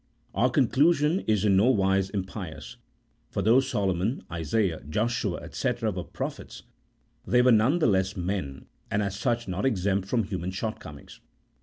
Our conclusion is in no wise impious, for though Solomon, Isaiah, Joshua, &c. were prophets, they were none the less men, and as such not exempt from human shortcomings.